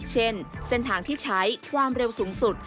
เช่นเส้นทางที่ใช้ความเร็วสูงสุด